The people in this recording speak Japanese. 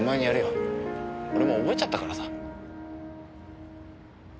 俺もう覚えちゃったからさ。